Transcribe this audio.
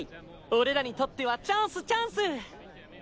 俺らにとってはチャンスチャンス！